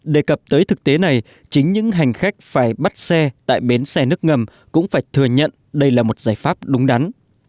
đề cập tới thực tế này chính những hành khách phải bắt xe tại bến xe nước ngầm cũng phải thừa nhận đây là một giải pháp đúng đắn